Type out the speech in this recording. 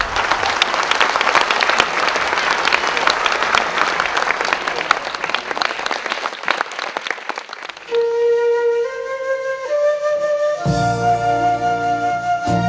ผู้หญิงใจทุกคน